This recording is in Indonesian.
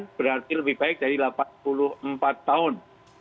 berarti lebih baik dari delapan puluh empat tahun